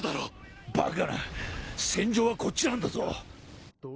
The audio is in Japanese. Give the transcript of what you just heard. バカな戦場はこっちなんだぞ。